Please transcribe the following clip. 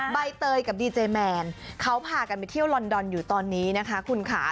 ใบเตยกับดีเจแมนเขาพากันไปเที่ยวลอนดอนอยู่ตอนนี้นะคะคุณค่ะ